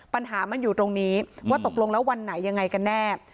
ปัญหามันอยู่ตรงนี้ว่าตกลงแล้ววันไหนยังไงกันแน่